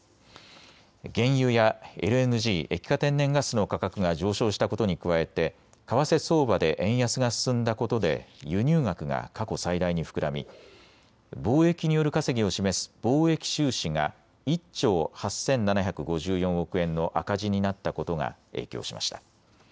原油やＬＮＧ・液化天然ガスの価格が上昇したことに加えて為替相場で円安が進んだことで輸入額が過去最大に膨らみ貿易による稼ぎを示す貿易収支が１兆８７５４億円の赤字になったことが影響しました。